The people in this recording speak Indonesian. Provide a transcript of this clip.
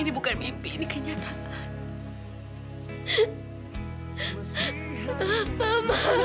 ini bukan mimpi ini kenyataan